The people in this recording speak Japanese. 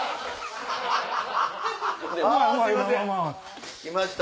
あっすいません。